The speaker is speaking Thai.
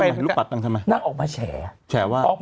แล้วกะลูกปัดอังทำไมนั่งออกมาแชว่า